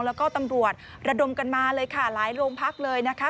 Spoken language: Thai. แล้วก็ตำรวจระดมกันมาเลยค่ะหลายโรงพักเลยนะคะ